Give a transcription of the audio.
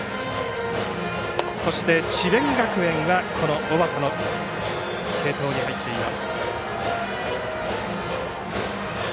そして智弁学園はこの小畠の継投に入っています。